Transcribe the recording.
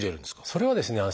それはですね